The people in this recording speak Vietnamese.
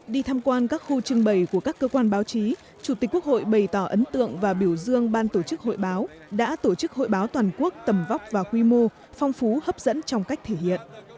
đi tham quan các khu trưng bày của các cơ quan báo chí chủ tịch quốc hội bày tỏ ấn tượng và biểu dương ban tổ chức hội báo đã tổ chức hội báo toàn quốc tầm vóc và quy mô phong phú hấp dẫn trong cách thể hiện